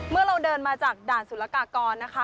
เราเดินมาจากด่านสุรกากรนะคะ